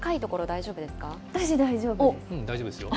大丈夫ですよ。